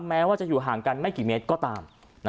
แม้ว่าจะอยู่ห่างกันไม่กี่เมตรก็ตาม